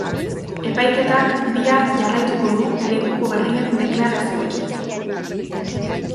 Epaiketak bihar jarraituko du lekuko berrien deklarazioekin.